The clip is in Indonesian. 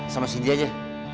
sama sidi aja